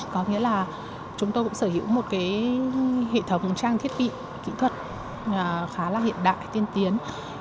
có nghĩa là chúng tôi cũng sở hữu một hệ thống trang thiết bị kỹ thuật khá là hiện đại tiên tiến